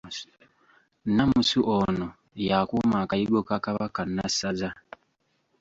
Nnamusu Ono y’akuuma Akayigo ka Kabaka Nnassaza.